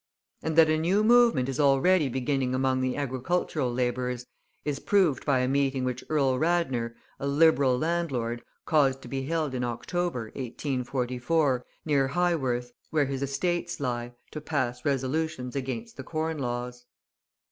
And that a new movement is already beginning among the agricultural labourers is proved by a meeting which Earl Radnor, a Liberal landlord, caused to be held in October, 1844, near Highworth, where his estates lie, to pass resolutions against the Corn Laws.